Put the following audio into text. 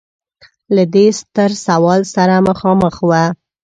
له دې ستر سوال سره مخامخ و.